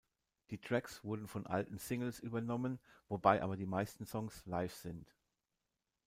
Die Tracks wurden von alten Singles übernommen, wobei aber die meisten Songs live sind.